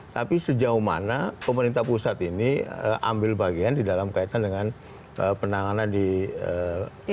tapi sejauh mana pemerintah pusat ini ambil bagian di dalam kaitan dengan penanganan di daerah